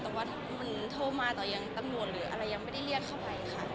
แต่ว่ามันโทรมาต่อยังตำรวจหรืออะไรยังไม่ได้เรียกเข้าไปค่ะ